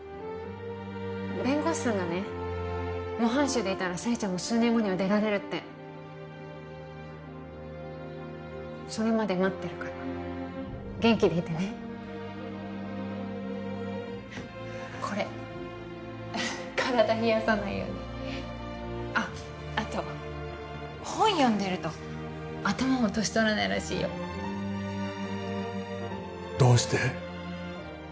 弁護士さんがね模範囚でいたら征ちゃんも数年後には出られるってそれまで待ってるから元気でいてねこれ体冷やさないようにあっあと本読んでると頭も年とらないらしいよどうして？